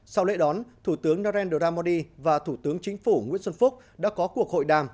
sau lễ đón thủ tướng narendra modi và thủ tướng chính phủ nguyễn xuân phúc đã có cuộc hội đàm